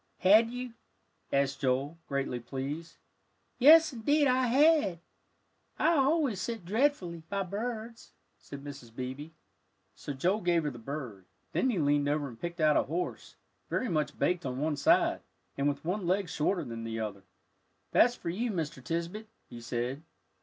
"Had you?" asked Joel, greatly pleased. "Yes, indeed I had. I always set dreadfully by birds," said Mrs. Beebe. So Joel gave her the bird, then he leaned over and picked out a horse, very much baked on one side, and with one leg shorter than the other "That's for you, Mr. Tisbett," he said.